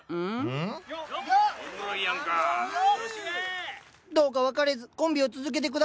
どうか別れずコンビを続けてくださいませんか？